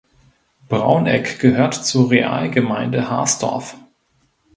Brauneck gehörte zur Realgemeinde Harsdorf.